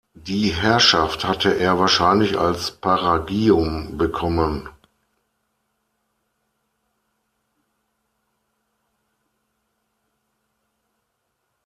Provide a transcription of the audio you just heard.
Die Herrschaft hatte er wahrscheinlich als Paragium bekommen.